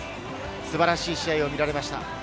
素晴らしい試合が見られました。